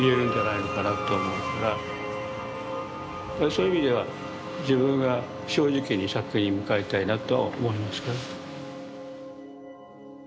そういう意味では自分が正直に作品に向かいたいなとは思いますけどね。